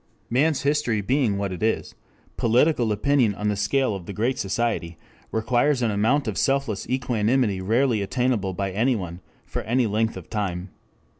Man's history being what it is, political opinion on the scale of the Great Society requires an amount of selfless equanimity rarely attainable by any one for any length of time.